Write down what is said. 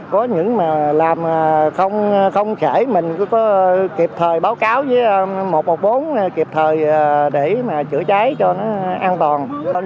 có những làm không kể mình có kịp thời báo cáo với một trăm một mươi bốn kịp thời để chữa cháy cho nó an toàn